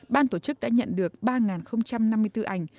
ban tổ chức đã nhận được ba năm mươi bốn ảnh